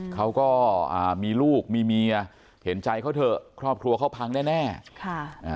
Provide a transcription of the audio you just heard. เขาก็อ่ามีลูกมีเมียเห็นใจเขาเถอะครอบครัวเขาพังแน่แน่ค่ะอ่า